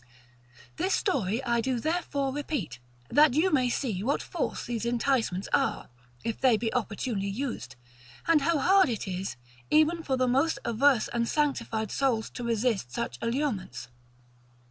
This story I do therefore repeat, that you may see of what force these enticements are, if they be opportunely used, and how hard it is even for the most averse and sanctified souls to resist such allurements.